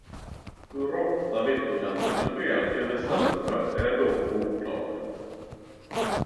Hur ofta villkorsändringar sker till det sämre är dock oklart.